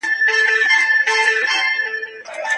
پادشاه به کله کله په پټه د اصفهان بازارونو ته وته.